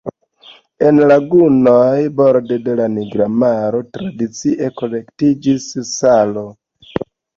En lagunoj borde de la Nigra Maro tradicie kolektiĝis salo.